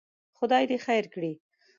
خدای دې خیر کړي.